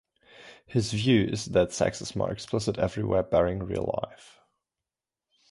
His view is that sex is more explicit everywhere barring real life.